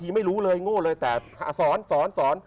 ไม่รู้เลยโง่เลยแต่สอนสอน